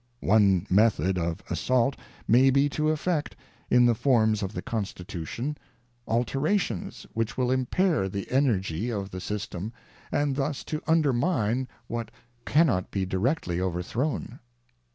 ŌĆö One method of assault may be to efFect, in the forms of the Constitution, WASHINGTON'S FAREWELL ADDRESS alterations which will impair the energy of the system, and thus to undermine what can not be directly overthrown.